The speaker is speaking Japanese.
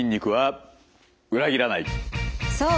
そう！